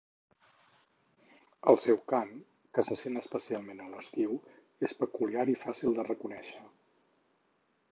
El seu cant, que se sent especialment a l'estiu, és peculiar i fàcil de reconèixer.